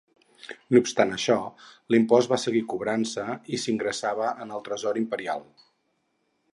No obstant això, l'impost va seguir cobrant-se i s'ingressava en el tresor imperial.